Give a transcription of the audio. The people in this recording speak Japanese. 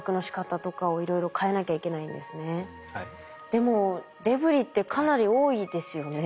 でもデブリってかなり多いですよね。